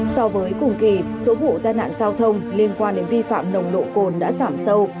so với cùng kỳ số vụ tai nạn giao thông liên quan đến vi phạm nồng độ cồn đã giảm sâu